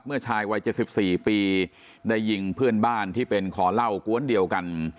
ชายวัย๗๔ปีได้ยิงเพื่อนบ้านที่เป็นคอเหล้ากวนเดียวกัน